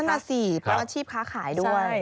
นั่นน่ะสิเป็นอาชีพค้าขายด้วย